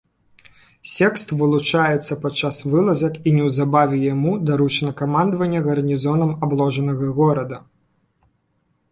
Секст вылучыўся падчас вылазак і неўзабаве яму даручана камандаванне гарнізонам абложанага горада.